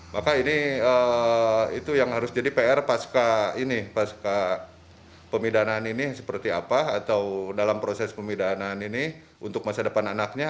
maka ini itu yang harus jadi pr pas ke ini pas ke pemidahan ini seperti apa atau dalam proses pemidahan ini untuk masa depan anaknya